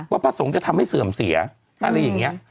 พระสงฆ์จะทำให้เสื่อมเสียอะไรอย่างนี้